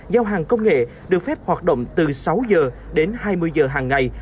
giao hàng công nghệ được phép hoạt động từ sáu giờ đến hai mươi giờ hàng ngày